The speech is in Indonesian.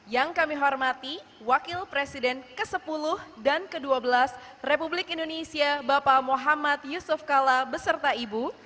yang kami hormati wakil presiden ke sepuluh dan ke dua belas republik indonesia bapak muhammad yusuf kala beserta ibu